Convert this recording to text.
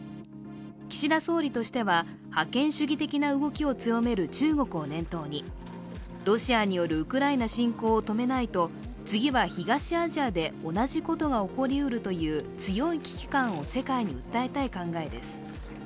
岸田総理としては、覇権主義的な動きを強める中国を念頭にロシアによるウクライナ侵攻を止めないと次は東アジアで同じことが起こりうるという強い危機感を世界に伝えたい考えです。